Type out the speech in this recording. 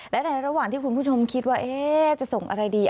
และในระหว่างที่คุณผู้ชมคิดว่าจะส่งอะไรดี